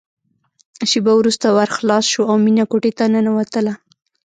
شېبه وروسته ور خلاص شو او مينه کوټې ته ننوتله